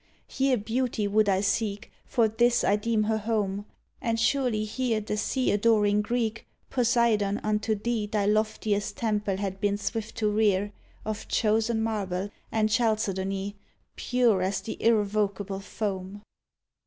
Here Beauty would I seek, For this I deem her home, And surely here The sea adoring Greek, Poseidon, unto thee Thy loftiest temple had been swift to rear, Of chosen marble and chalcedony, Pure as the irrecoverable foam.